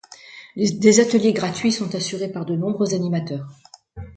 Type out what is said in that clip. Des ateliers gratuits sont assurés par de nombreux animateurs.